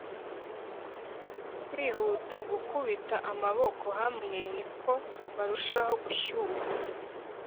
kwihuta gukubita amaboko hamwe, niko barushaho gushyuha